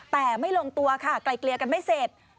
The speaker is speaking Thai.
แต่ไม่ลงตัวค่ะไกลเกลียกันไม่เสร็จ